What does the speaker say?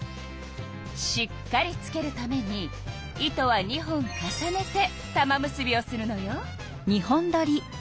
しっかりつけるために糸は２本重ねて玉結びをするのよ。